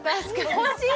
欲しい！